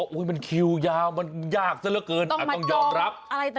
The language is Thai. มันคิวยาวมันยากซะละเกินต้องยอมรับ